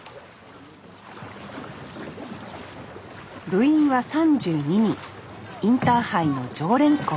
部員は３２人インターハイの常連校２１。